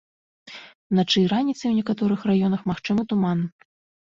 Уначы і раніцай у некаторых раёнах магчымы туман.